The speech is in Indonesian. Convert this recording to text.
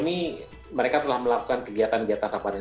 nah selama ini mereka telah melakukan kegiatan kegiatan ramadan ini